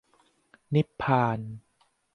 นิพพาน